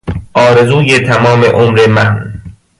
آرزوی تمام عمر من